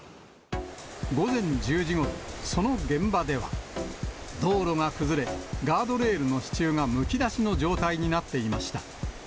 午前１０時ごろ、その現場では、道路が崩れ、ガードレールの支柱がむき出しの状態になっていました。